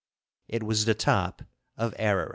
It was the top of Ararat.